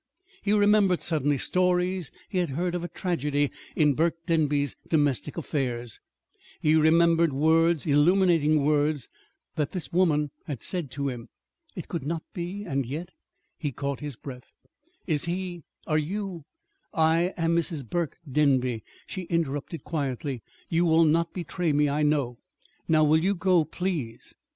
He remembered, suddenly, stories he had heard of a tragedy in Burke Denby's domestic affairs. He remembered words illuminating words that this woman had said to him. It could not be And yet He caught his breath. "Is he are you " "I am Mrs. Burke Denby," she interrupted quietly. "You will not betray me, I know. Now, will you go, please?"